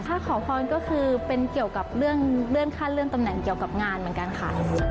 ถ้าขอพรก็คือเป็นเกี่ยวกับเรื่องขั้นเลื่อนตำแหน่งเกี่ยวกับงานเหมือนกันค่ะ